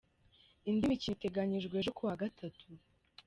Indi mikino iteganyijwe ejo kuwa Gatatu.